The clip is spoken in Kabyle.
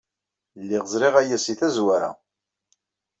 Lliɣ ẓriɣ aya seg tazwara.